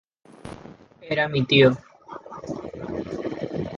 Era mi tio.